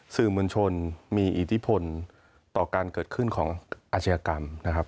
สื่อมวลชนมีอิทธิพลต่อการเกิดขึ้นของอาชญากรรมนะครับ